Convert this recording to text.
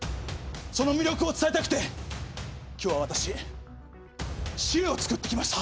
その魅力を伝えたくて今日は私資料を作ってきました。